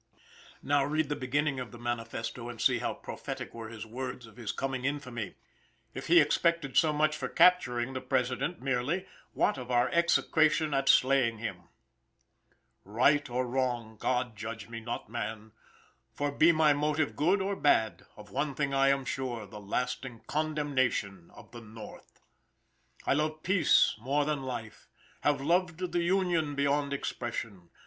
Now, read the beginning of the manifesto, and see how prophetic were his words of his coming infamy. If he expected so much for capturing the President merely, what of our execration at slaying him? "Right or wrong, God judge me, not man. For be my motive good or bad, of one thing I am sure, the lasting condemnation of the North. "I love peace more than life. Have loved the Union beyond expression.